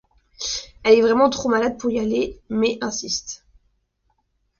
Elle est vraiment trop malade pour y aller, mais insiste.